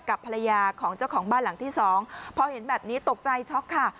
กับภรรยาของเจ้าของบ้านหลังที่สองพอเห็นแบบนี้ตกใจช็อกค่ะ